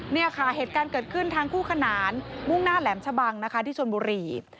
เนี่ยค่ะเหตุการณ์เกิดขึ้นทางคู่ขนานมุ่งหน้าแหลมชะบังนะคะที่ชนบุรี